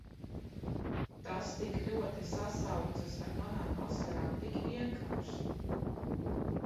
Tas tik ļoti sasaucas ar manām asarām. Tik vienkārši!